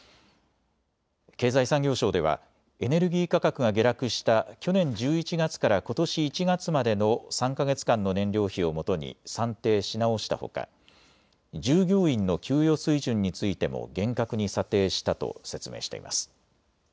経済産業省ではエネルギー価格が下落した去年１１月からことし１月までの３か月間の燃料費をもとに算定し直したほか従業員の給与水準についても厳格に査定したと説明しています。